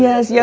iya siap nek